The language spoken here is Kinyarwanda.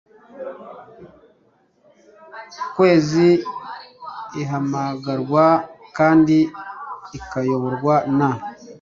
kwezi ihamagarwa kandi ikayoborwa na